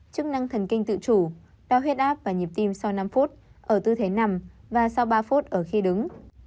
chức năng thần kinh tự chủ đo huyết áp và nhịp tim sau năm phút ở tư thế nằm và sau ba phút ở khi đứng